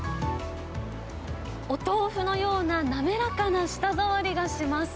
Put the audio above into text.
お豆腐のような滑らかな舌触りがします。